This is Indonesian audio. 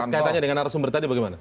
katanya dengan narasumber tadi bagaimana